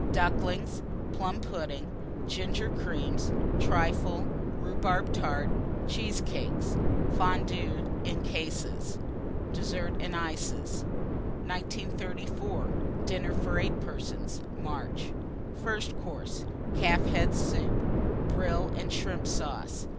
Ducklings. Plum pudding. Ginger Cream. Trifle. Rhubarb Tart. Cheesecakes. Fondues, in cases. DESSERT AND ICES. 1934. DINNER FOR 8 PERSONS (March). FIRST COURSE. Calf's Head Soup. Brill and Shrimp Sauce.